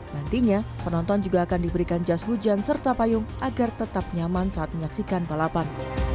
nantinya penonton juga akan diberikan jas hujan serta payung agar tetap nyaman saat menyaksikan balapan